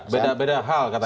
beda beda hal katanya